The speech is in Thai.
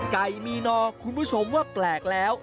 ไก่มีนอคุณผู้ชมว่าแปลกแล้ว